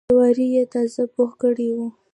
جواري یې تازه پوخ کړی و.